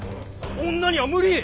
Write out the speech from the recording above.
女には無理！